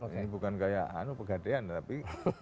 ini bukan gaya pegadaian tapi